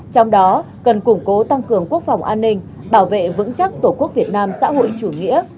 trong đó cần củng cố tăng cường quốc phòng an ninh bảo vệ vững chắc tổ quốc việt nam xã hội chủ nghĩa